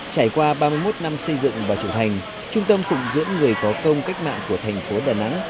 trải qua ba mươi một năm xây dựng và trưởng thành trung tâm phụng dưỡng người có công cách mạng của thành phố đà nẵng